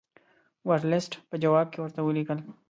ورلسټ په جواب کې ورته ولیکل.